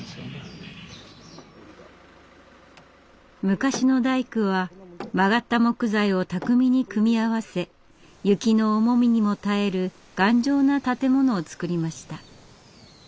昔の大工は曲がった木材を巧みに組み合わせ雪の重みにも耐える頑丈な建物を作りました。